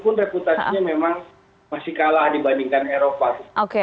pun reputasinya memang masih kalah dibandingkan eropa